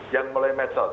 yang mulai metode